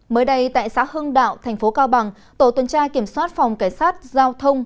mới đây tại xã hưng đạo thành phố cao bằng tổ tuần tra kiểm soát phòng cảnh sát giao thông